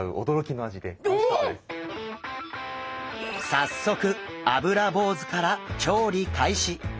早速アブラボウズから調理開始。